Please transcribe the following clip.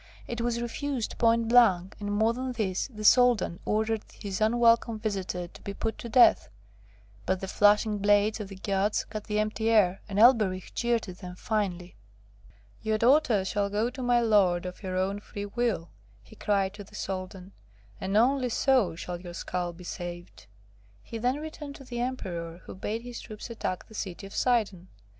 It was refused point blank, and, more than this, the Soldan ordered his unwelcome visitor to be put to death. But the flashing blades of the guards cut the empty air, and Elberich jeered at them finely. [Illustration: Elberich had jeered him finely.] 'Your daughter shall go to my lord of her own free will,' he cried to the Soldan, 'and only so shall your skull be saved!' He then returned to the Emperor, who bade his troops attack the city of Sidon.